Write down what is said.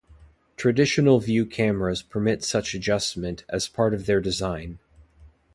Traditional view cameras permit such adjustment as part of their design.